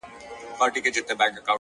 خو اوس دي گراني دا درسونه سخت كړل،